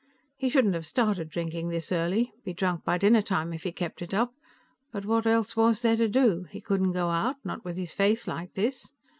He shouldn't have started drinking this early, be drunk by dinnertime if he kept it up, but what else was there to do? He couldn't go out, not with his face like this.